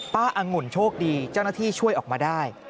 อังุ่นโชคดีเจ้าหน้าที่ช่วยออกมาได้